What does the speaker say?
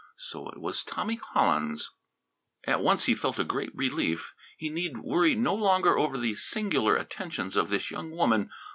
So it was Tommy Hollins. At once he felt a great relief; he need worry no longer over the singular attentions of this young woman.